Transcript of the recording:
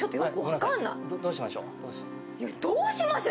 どうしましょう。